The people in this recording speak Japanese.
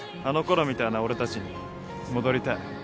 あのころみたいな俺たちに戻りたい。